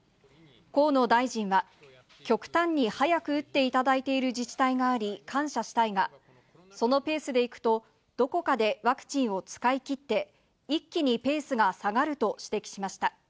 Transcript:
河野大臣は、極端に速く打っていただいている自治体があり感謝したいが、そのペースでいくと、どこかでワクチンを使い切って、一気にペースが下がると指摘しました。